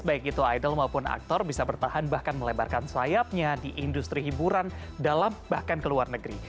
baik itu idol maupun aktor bisa bertahan bahkan melebarkan sayapnya di industri hiburan dalam bahkan ke luar negeri